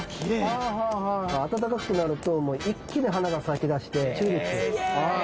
はあはあはあ暖かくなると一気に花が咲きだしてチューリップはい